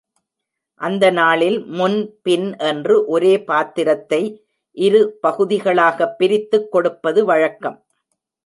அந்தநாளில் முன், பின் என்று ஒரே பாத்திரத்தை இரு பகுதிகளாகப் பிரித்துக் கொடுப்பது வழக்கம்.